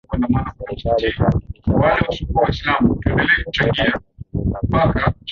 Serikali itahakikisha kwamba kila senti inayoongezeka inatumika vyema